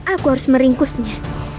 aku harus meringkusnya